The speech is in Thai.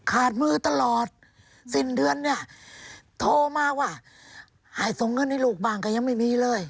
ขาดมือตลอดสิ้นเดือนเนี่ยโทรมาว่าให้ส่งเงินให้ลูกบ้างก็ยังไม่มีเลย